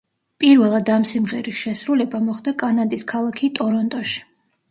პირველად ამ სიმღერის შესრულება მოხდა კანადის ქალაქი ტორონტოში.